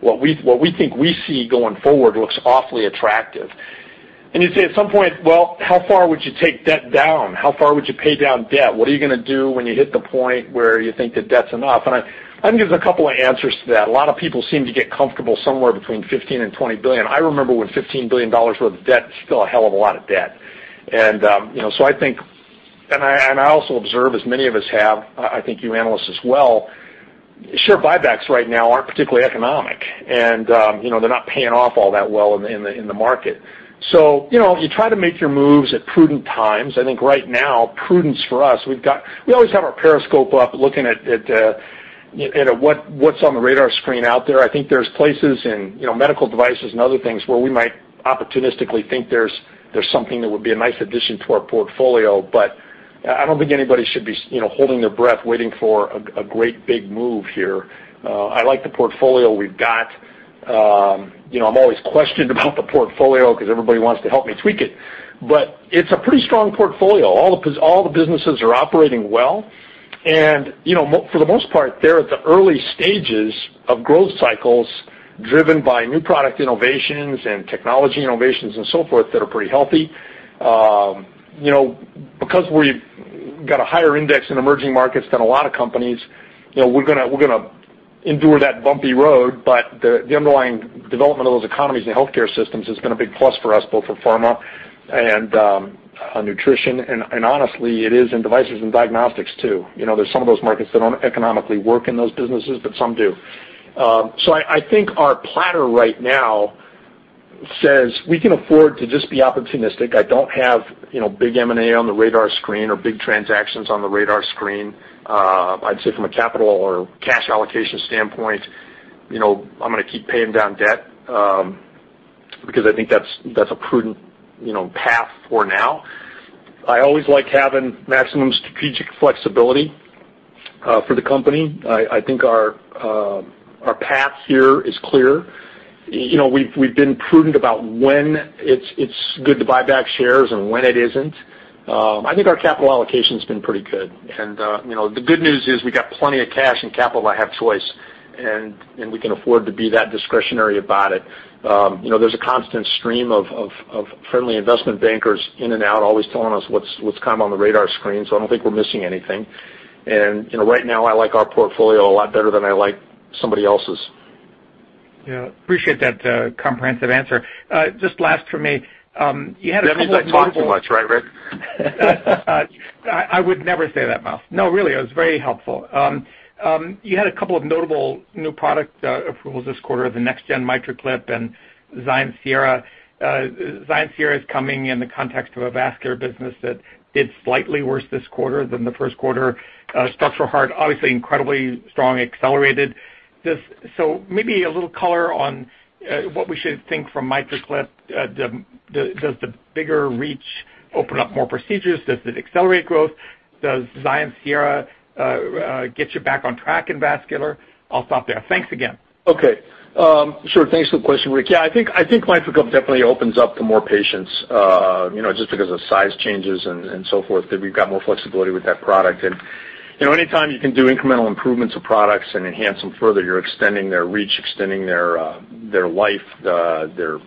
what we think we see going forward looks awfully attractive. You say at some point, well, how far would you take debt down? How far would you pay down debt? What are you going to do when you hit the point where you think the debt's enough? I think there's a couple of answers to that. A lot of people seem to get comfortable somewhere between $15 billion-$20 billion. I remember when $15 billion worth of debt is still a hell of a lot of debt. I also observe, as many of us have, I think you analysts as well, share buybacks right now aren't particularly economic, and they're not paying off all that well in the market. You try to make your moves at prudent times. I think right now, prudence for us, we always have our periscope up looking at what's on the radar screen out there. I think there's places in medical devices and other things where we might opportunistically think there's something that would be a nice addition to our portfolio, but I don't think anybody should be holding their breath waiting for a great big move here. I like the portfolio we've got. I'm always questioned about the portfolio because everybody wants to help me tweak it. It's a pretty strong portfolio. All the businesses are operating well. For the most part, they're at the early stages of growth cycles driven by new product innovations and technology innovations and so forth that are pretty healthy. Because we've got a higher index in emerging markets than a lot of companies, we're going to endure that bumpy road, but the underlying development of those economies and healthcare systems has been a big plus for us, both for pharma and nutrition, and honestly, it is in devices and diagnostics, too. There's some of those markets that don't economically work in those businesses, but some do. I think our platter right now says we can afford to just be opportunistic. I don't have big M&A on the radar screen or big transactions on the radar screen. I'd say from a capital or cash allocation standpoint, I'm going to keep paying down debt, because I think that's a prudent path for now. I always like having maximum strategic flexibility for the company. I think our path here is clear. We've been prudent about when it's good to buy back shares and when it isn't. I think our capital allocation's been pretty good. The good news is we got plenty of cash and capital to have choice, and we can afford to be that discretionary about it. There's a constant stream of friendly investment bankers in and out, always telling us what's come on the radar screen, so I don't think we're missing anything. Right now, I like our portfolio a lot better than I like somebody else's. Yeah. Appreciate that comprehensive answer. Just last for me, you had a couple of notable- That means I talk too much, right, Rick? I would never say that, Miles. Really, it was very helpful. You had a couple of notable new product approvals this quarter, the next gen MitraClip and XIENCE Sierra. XIENCE Sierra is coming in the context of a vascular business that did slightly worse this quarter than the first quarter. Structural heart, obviously incredibly strong, accelerated. Maybe a little color on what we should think from MitraClip. Does the bigger reach open up more procedures? Does it accelerate growth? Does XIENCE Sierra get you back on track in vascular? I'll stop there. Thanks again. Thanks for the question, Rick. I think MitraClip definitely opens up to more patients, just because of size changes and so forth, that we've got more flexibility with that product. Anytime you can do incremental improvements of products and enhance them further, you're extending their reach, extending their life, the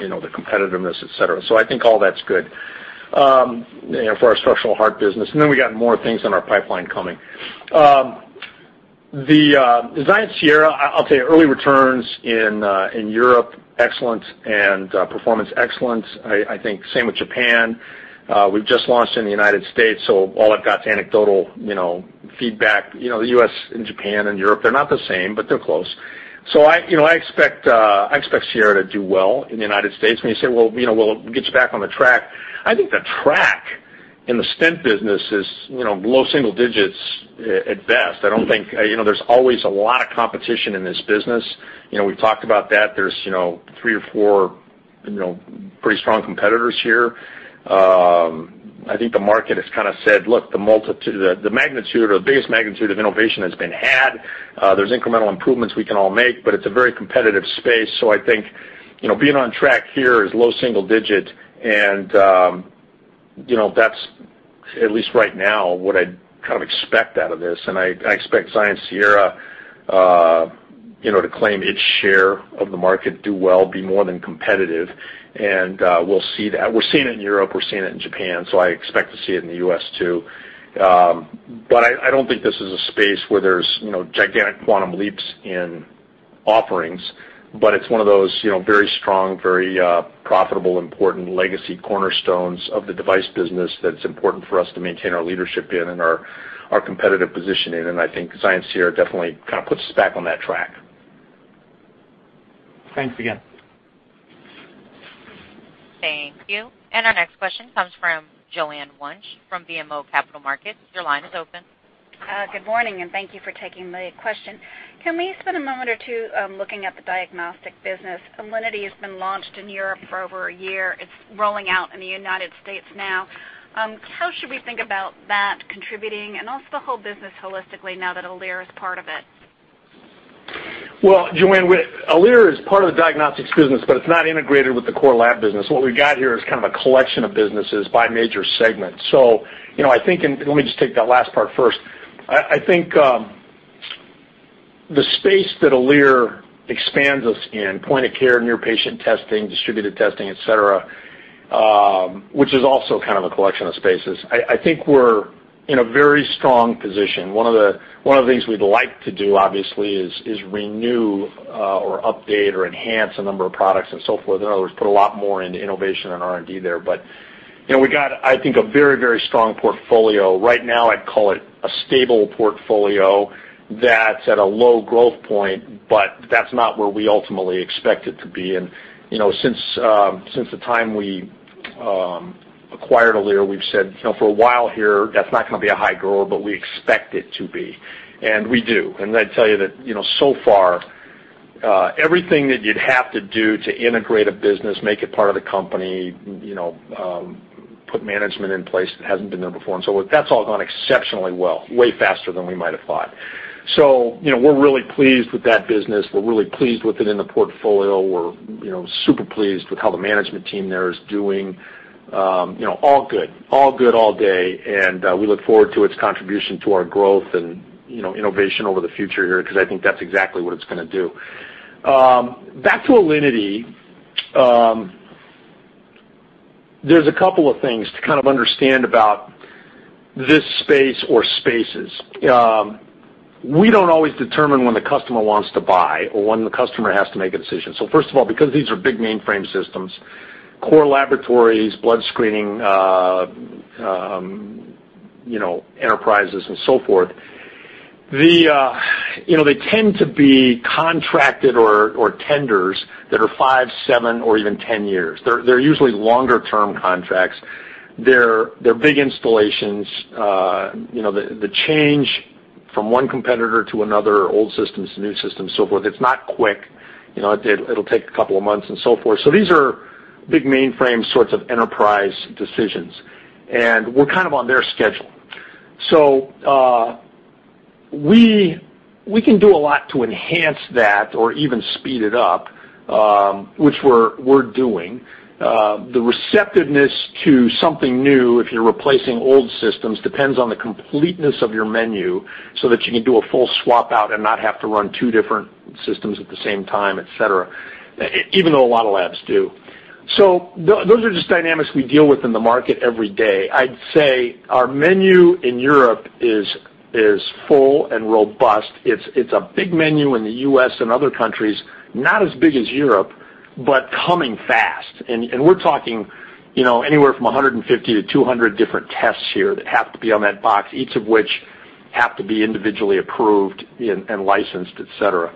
competitiveness, et cetera. I think all that's good. For our structural heart business, we got more things in our pipeline coming. The XIENCE Sierra, I'll tell you, early returns in Europe, excellent, and performance excellent. I think same with Japan. We've just launched in the United States, so all I've got is anecdotal feedback. The U.S. and Japan and Europe, they're not the same, but they're close. I expect Sierra to do well in the United States. When you say, "Will it get you back on the track?" I think the track in the stent business is low single digits at best. There's always a lot of competition in this business. We've talked about that. There's three or four pretty strong competitors here. I think the market has kind of said, "Look, the magnitude or the biggest magnitude of innovation has been had. There's incremental improvements we can all make, but it's a very competitive space." I think, being on track here is low single digit, and that's, at least right now, what I'd kind of expect out of this. I expect XIENCE Sierra to claim its share of the market, do well, be more than competitive, and we'll see that. We're seeing it in Europe, we're seeing it in Japan, I expect to see it in the U.S. too. I don't think this is a space where there's gigantic quantum leaps in offerings, but it's one of those very strong, very profitable, important legacy cornerstones of the device business that's important for us to maintain our leadership in and our competitive position in. I think XIENCE Sierra definitely kind of puts us back on that track. Thanks again. Thank you. Our next question comes from Joanne Wuensch from BMO Capital Markets. Your line is open. Good morning, and thank you for taking the question. Can we spend a moment or two looking at the diagnostic business? Alinity has been launched in Europe for over a year. It's rolling out in the U.S. now. How should we think about that contributing and also the whole business holistically now that Alere is part of it? Well, Joanne, Alere is part of the diagnostics business, but it's not integrated with the core lab business. What we've got here is kind of a collection of businesses by major segments. Let me just take that last part first. I think the space that Alere expands us in, point of care, near patient testing, distributed testing, et cetera, which is also kind of a collection of spaces. I think we're in a very strong position. One of the things we'd like to do, obviously, is renew or update or enhance a number of products and so forth. In other words, put a lot more into innovation and R&D there. We got, I think, a very strong portfolio. Right now, I'd call it a stable portfolio that's at a low growth point, but that's not where we ultimately expect it to be. Since the time we acquired Alere, we've said for a while here, that's not going to be a high grower, but we expect it to be. We do. I'd tell you that so far, everything that you'd have to do to integrate a business, make it part of the company, put management in place that hasn't been there before, that's all gone exceptionally well, way faster than we might have thought. We're really pleased with that business. We're really pleased with it in the portfolio. We're super pleased with how the management team there is doing. All good. All good all day, we look forward to its contribution to our growth and innovation over the future here because I think that's exactly what it's going to do. Back to Alinity, there's a couple of things to kind of understand about this space or spaces. We don't always determine when the customer wants to buy or when the customer has to make a decision. First of all, because these are big mainframe systems, core laboratories, blood screening enterprises and so forth, they tend to be contracted or tenders that are five, seven or even 10 years. They're usually longer-term contracts. They're big installations. The change from one competitor to another, old systems to new systems, so forth, it's not quick. It'll take a couple of months and so forth. These are big mainframe sorts of enterprise decisions, and we're kind of on their schedule. We can do a lot to enhance that or even speed it up, which we're doing. The receptiveness to something new if you're replacing old systems depends on the completeness of your menu so that you can do a full swap out and not have to run two different systems at the same time, et cetera, even though a lot of labs do. Those are just dynamics we deal with in the market every day. I'd say our menu in Europe is full and robust. It's a big menu in the U.S. and other countries, not as big as Europe, but coming fast. We're talking anywhere from 150 to 200 different tests here that have to be on that box, each of which have to be individually approved and licensed, et cetera.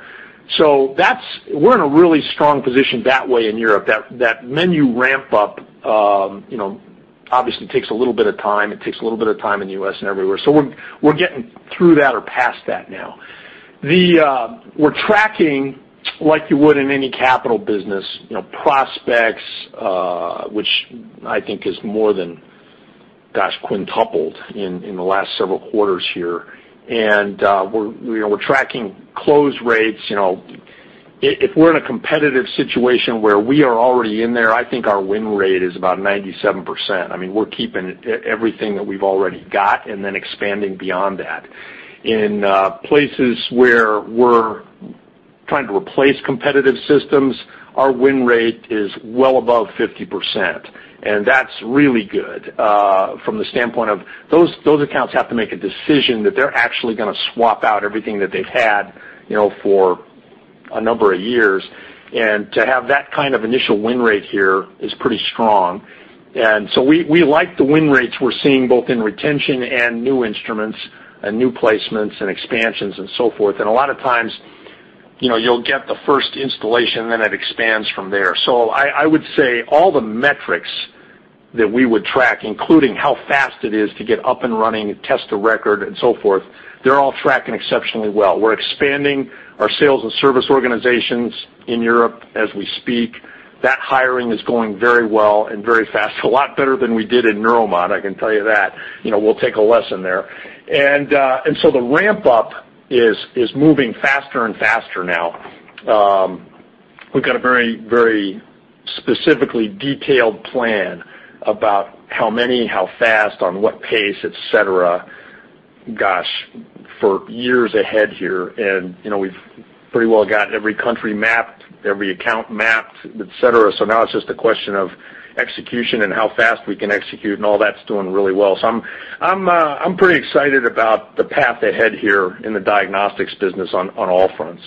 We're in a really strong position that way in Europe. That menu ramp-up obviously takes a little bit of time. It takes a little bit of time in the U.S. and everywhere. We're getting through that or past that now. We're tracking, like you would in any capital business, prospects, which I think is more than, gosh, quintupled in the last several quarters here. We're tracking close rates. If we're in a competitive situation where we are already in there, I think our win rate is about 97%. I mean, we're keeping everything that we've already got and then expanding beyond that. In places where we're trying to replace competitive systems, our win rate is well above 50%, and that's really good from the standpoint of those accounts have to make a decision that they're actually going to swap out everything that they've had for a number of years. To have that kind of initial win rate here is pretty strong. We like the win rates we're seeing both in retention and new instruments and new placements and expansions and so forth. A lot of times, you'll get the first installation, then it expands from there. I would say all the metrics that we would track, including how fast it is to get up and running, test to record and so forth, they're all tracking exceptionally well. We're expanding our sales and service organizations in Europe as we speak. That hiring is going very well and very fast, a lot better than we did in Neuromod, I can tell you that. We'll take a lesson there. The ramp-up is moving faster and faster now. We've got a very specifically detailed plan about how many, how fast, on what pace, et cetera, gosh, for years ahead here. We've pretty well gotten every country mapped, every account mapped, et cetera. Now it's just a question of execution and how fast we can execute. All that's doing really well. I'm pretty excited about the path ahead here in the diagnostics business on all fronts.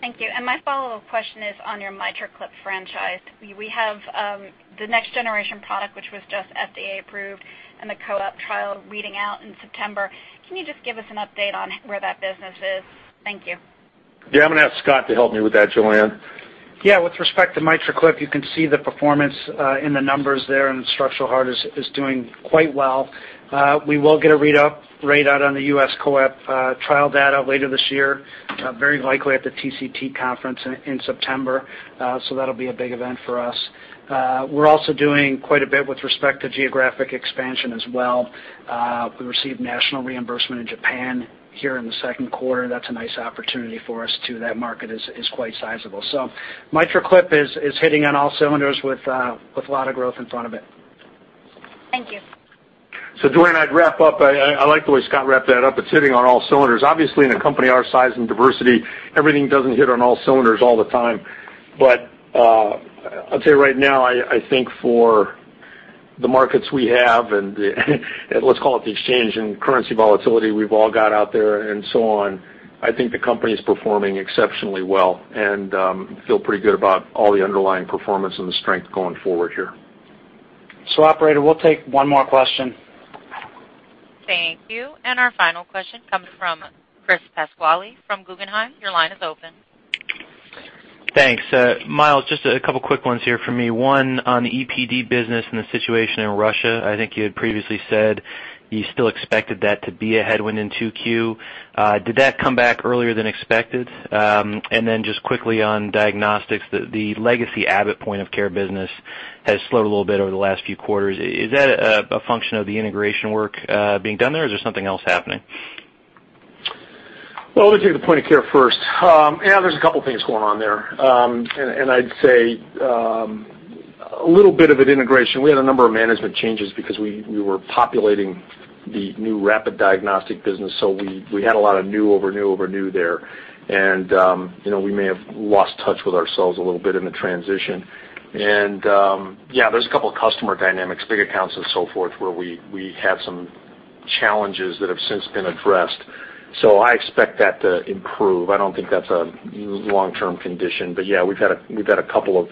Thank you. My follow-up question is on your MitraClip franchise. We have the next generation product, which was just FDA approved and the COAPT trial reading out in September. Can you just give us an update on where that business is? Thank you. Yeah, I'm going to ask Scott to help me with that, Joanne. Yeah, with respect to MitraClip, you can see the performance in the numbers there in structural heart is doing quite well. We will get a readout on the U.S. COAPT trial data later this year, very likely at the TCT conference in September. That'll be a big event for us. We're also doing quite a bit with respect to geographic expansion as well. We received national reimbursement in Japan here in the second quarter. That's a nice opportunity for us, too. That market is quite sizable. MitraClip is hitting on all cylinders with a lot of growth in front of it. Thank you. Joanne, I'd wrap up. I like the way Scott wrapped that up. It's hitting on all cylinders. Obviously, in a company our size and diversity, everything doesn't hit on all cylinders all the time. I'll tell you right now, I think for the markets we have and, let's call it the exchange and currency volatility we've all got out there and so on, I think the company is performing exceptionally well, and feel pretty good about all the underlying performance and the strength going forward here. Operator, we'll take one more question. Thank you. Our final question comes from Chris Pasquale from Guggenheim. Your line is open. Thanks. Miles, just a couple quick ones here for me. One on EPD business and the situation in Russia. I think you had previously said you still expected that to be a headwind in 2Q. Did that come back earlier than expected? Then just quickly on diagnostics, the legacy Abbott point of care business has slowed a little bit over the last few quarters. Is that a function of the integration work being done there, or is there something else happening? Let me take the point of care first. There's a couple things going on there. I'd say, a little bit of an integration. We had a number of management changes because we were populating the new Rapid Diagnostics business, so we had a lot of new over new over new there. We may have lost touch with ourselves a little bit in the transition. There's a couple of customer dynamics, big accounts and so forth, where we had some challenges that have since been addressed. I expect that to improve. I don't think that's a long-term condition, we've had a couple of,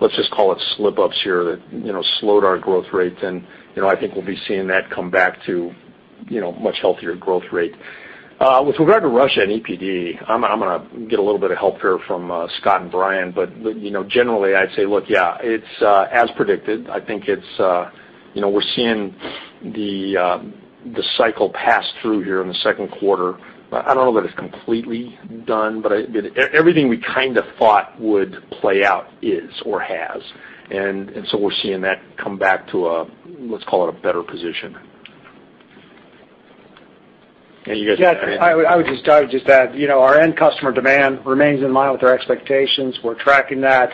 let's just call it slip-ups here that slowed our growth rates, and I think we'll be seeing that come back to much healthier growth rate. With regard to Russia and EPD, I'm going to get a little bit of help here from Scott and Brian, it's as predicted. I think we're seeing the cycle pass through here in the second quarter. I don't know that it's completely done, everything we kind of thought would play out is or has. We're seeing that come back to a, let's call it a better position. Any you guys want to add anything? I would just add, our end customer demand remains in line with our expectations. We're tracking that.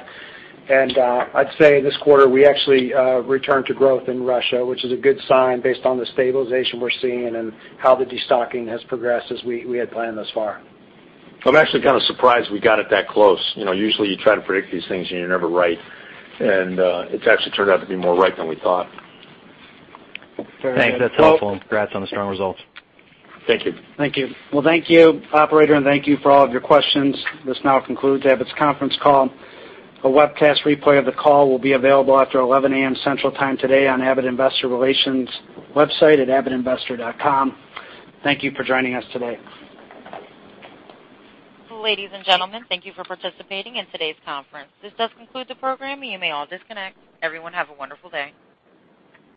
I'd say this quarter, we actually returned to growth in Russia, which is a good sign based on the stabilization we're seeing and how the destocking has progressed as we had planned thus far. I'm actually kind of surprised we got it that close. Usually, you try to predict these things and you're never right. It's actually turned out to be more right than we thought. Thanks. That's helpful, congrats on the strong results. Thank you. Thank you. Well, thank you, operator, thank you for all of your questions. This now concludes Abbott's conference call. A webcast replay of the call will be available after 11:00 A.M. Central Time today on Abbott Investor Relations website at abbottinvestor.com. Thank you for joining us today. Ladies and gentlemen, thank you for participating in today's conference. This does conclude the program. You may all disconnect. Everyone have a wonderful day.